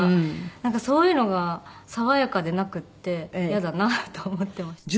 なんかそういうのが爽やかでなくってイヤだなと思ってました。